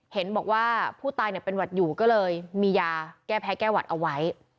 เห็นบอกว่าผู้ตายเป็นหวัดอยู่ก็เลยมียาแก้แพ้แก้หวัดเอาไว้